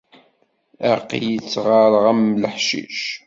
Aql-i ttɣareɣ am leḥcic.